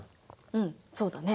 うんそうだね。